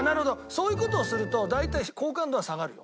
そういう事をすると大体好感度は下がるよ。